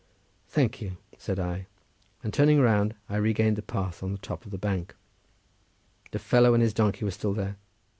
"Thank you!" said I, and turning round, I regained the path on the top of the bank. The fellow and his donkey were still there.